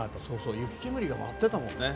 雪煙が舞ってたもんね。